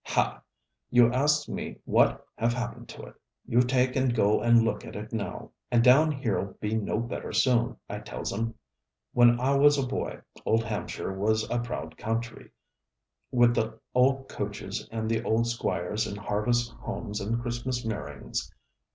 Hah! you asks me what have happened to it. You take and go and look at it now. And down heer'll be no better soon, I tells 'em. When ah was a boy, old Hampshire was a proud country, wi' the old coaches and the old squires, and Harvest Homes, and Christmas merryings.